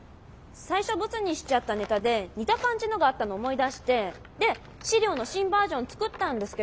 最初ボツにしちゃったネタで似た感じのがあったのを思い出してで資料の新バージョン作ったんですけ